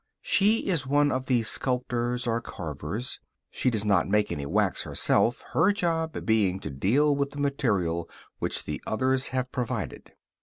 She is one of the sculptors or carvers; she does not make any wax herself, her job being to deal with the material which the others have provided.